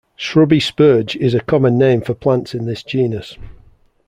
Shrubby-spurge is a common name for plants in this genus.